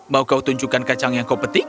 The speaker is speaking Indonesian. mau kau tunjukkan kacang yang kau petik